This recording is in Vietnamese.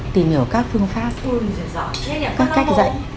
tìm hiểu các phương pháp các cách